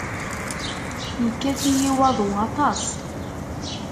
Yekkat-iyi waḍu aṭas.